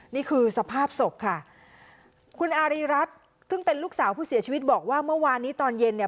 นี่คือสภาพศพค่ะคุณอารีรัฐซึ่งเป็นลูกสาวผู้เสียชีวิตบอกว่าเมื่อวานนี้ตอนเย็นเนี่ย